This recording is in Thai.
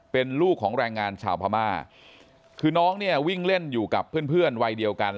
เป็นลูกของแรงงานชาวพม่าคือน้องเนี่ยวิ่งเล่นอยู่กับเพื่อนเพื่อนวัยเดียวกัน